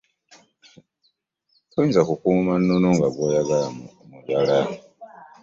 Toyinza kukuuma nnono nga gw'olagira muyala.